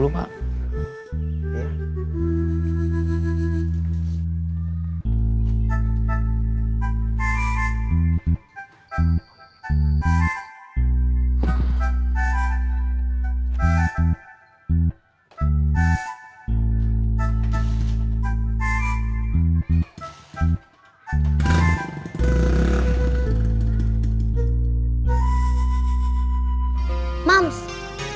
yuk bapak bikin